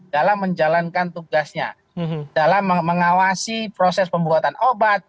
dalam menjalankan tugasnya dalam mengawasi proses pembuatan obat